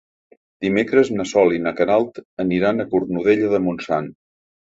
Dimecres na Sol i na Queralt aniran a Cornudella de Montsant.